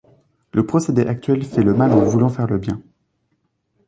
Le procédé actuel fait le mal en voulant faire le bien.